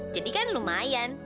jadi kan lumayan